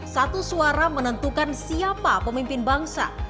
satu suara menentukan siapa pemimpin bangsa